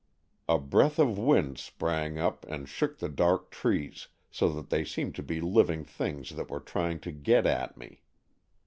A breath of wind sprang up and shook the dark trees, so that they seemed to be living things that were trying to get at me.